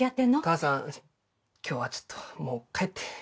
母さん今日はちょっともう帰って。